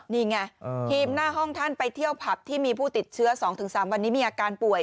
นี่ไงทีมหน้าห้องท่านไปเที่ยวผับที่มีผู้ติดเชื้อ๒๓วันนี้มีอาการป่วย